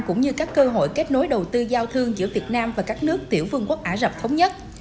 cũng như các cơ hội kết nối đầu tư giao thương giữa việt nam và các nước tiểu vương quốc ả rập thống nhất